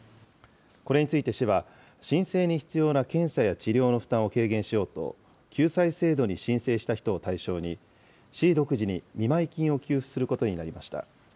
これについて市は、申請に必要な検査や治療の負担を軽減しようと、救済制度に申請した人を対象に、市独自に見舞い金を給付することになりました。